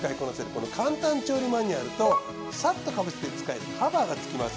この簡単調理マニュアルとサッとかぶせて使えるカバーが付きます。